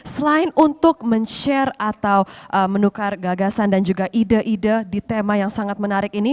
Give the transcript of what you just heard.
selain untuk men share atau menukar gagasan dan juga ide ide di tema yang sangat menarik ini